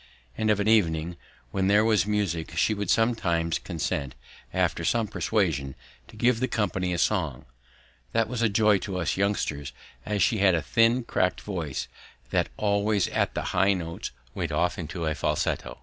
And of an evening when there was music she would sometimes consent, after some persuasion, to give the company a song. That was a joy to us youngsters, as she had a thin cracked voice that always at the high notes went off into a falsetto.